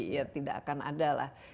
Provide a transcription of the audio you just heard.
ya tidak akan ada lah